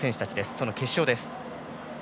その決勝です。